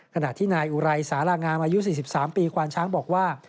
ขณะที่นายอุไรสารางามอายุ๔๓ปีควานช้างบอกว่า